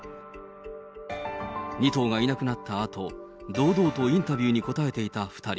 ２頭がいなくなったあと、堂々とインタビューに答えていた２人。